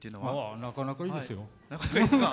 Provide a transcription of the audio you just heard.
なかなかいいですよ。